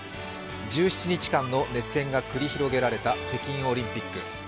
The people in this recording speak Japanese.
１７日間の熱戦が繰り広げられた北京オリンピック。